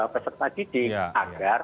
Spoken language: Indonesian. peserta didik agar